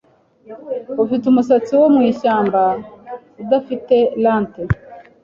Ufite umusatsi wo mwishyamba udafite lente